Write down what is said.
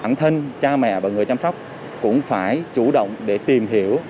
bản thân cha mẹ và người chăm sóc cũng phải chủ động để tìm hiểu